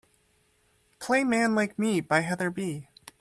Play Man Like Me by heather b.